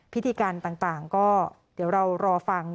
พิธีการต่างก็เดี๋ยวเรารอฟัง